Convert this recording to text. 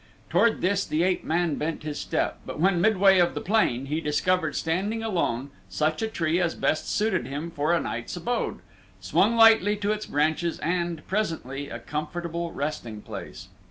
Toward this the ape man bent his step, but when midway of the plain he discovered standing alone such a tree as best suited him for a night's abode, swung lightly to its branches and, presently, a comfortable resting place.